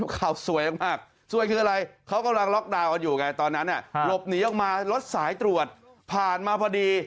ข่าวสวยมากสวยคืออะไรเขากำลังล็อกดาวน์กันอยู่ไงตอนนั้นหลบหนีออกมารถสายตรวจผ่านมาพอดี